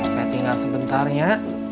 saya tinggal sebentarnya